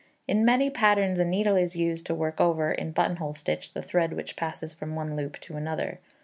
In many patterns a needle is used to work over, in buttonhole stitch, the thread which passes from one loop to another.